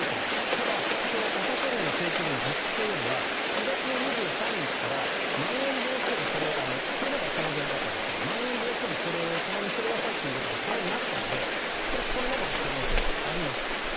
ただ、このお酒の類の提供の自粛というのは４月２３日からまん延防止でもこれまでは可能じゃなかったんですがまん延防止措置でもこれを可能にしてくださいということで可能になったのでこのままの可能性もあります。